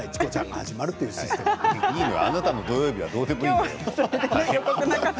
あなたの土曜日はもうどうでもいいから。